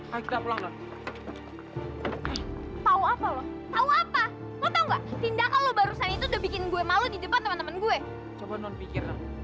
tahu apa tahu apa tindakan lu barusan itu bikin gue malu di depan teman teman gue coba non pikir